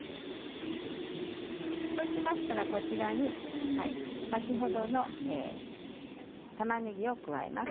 そうしましたらこちらに先ほどの玉ねぎを加えます。